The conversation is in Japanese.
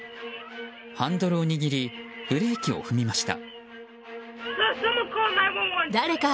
ハンドルを握りブレーキを踏みました。